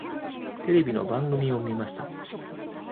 テレビの番組を見ました。